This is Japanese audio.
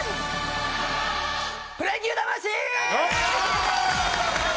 『プロ野球魂』！